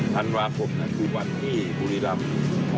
ธันวาภพคือวันที่กุรีรัมพ์